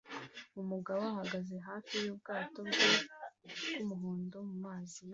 Umugabo ahagaze hafi yubwato bwe bwumuhondo mumazi